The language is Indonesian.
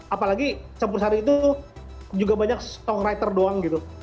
apalagi campur sari itu juga banyak songwriter doang gitu